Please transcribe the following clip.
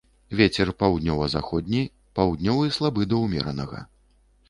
Вецер паўднёва-заходні, паўднёвы слабы да ўмеранага.